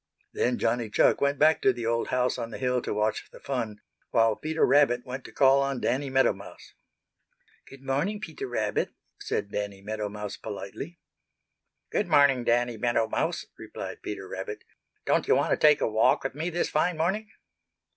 Then Johnny Chuck went back to the old house on the hill to watch the fun, while Peter Rabbit went to call on Danny Meadow Mouse. "Good morning, Peter Rabbit," said Danny Meadow Mouse politely. "Good morning, Danny Meadow Mouse," replied Peter Rabbit. "Don't you want to take a walk with me this fine morning?"